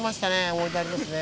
思い出ありますね。